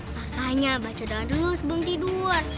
makanya baca doang dulu sebelum tidur